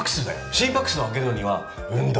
心拍数を上げるのには運動。